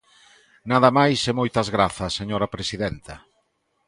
Nada máis e moitas grazas, señora presidenta.